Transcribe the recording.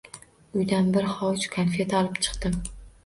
Uydan bir hovuch konfet olib chiqdim.